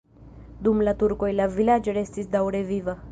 Dum la turkoj la vilaĝo restis daŭre viva.